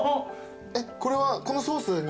えっこれはこのソースに。